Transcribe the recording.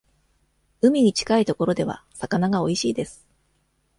海に近いところでは、魚がおいしいです。